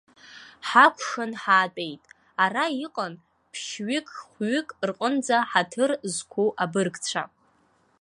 Ҳакәшан ҳаатәеит, ара иҟан ԥшьҩык-хәҩык рҟынӡа ҳаҭыр зқәу абыргцәа.